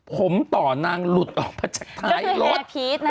ผมต่อนางหลุดออกมาจากท้ายรถ